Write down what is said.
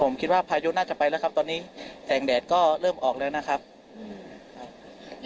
ผมคิดว่าพายุน่าจะไปแล้วครับตอนนี้แสงแดดก็เริ่มออกแล้วนะครับอืมครับ